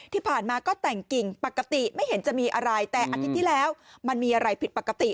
ที่ผ่านมาก็แต่งกิ่งปกติไม่เห็นจะมีอะไรแต่อาทิตย์ที่แล้วมันมีอะไรผิดปกติ